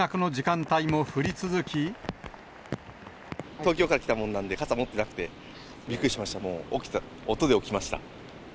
東京から来たもんなんで、傘持ってなくて、びっくりしました、もう音で起きました。